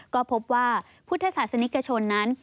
ก็พบว่าพุทธศาสนิกชนนั้น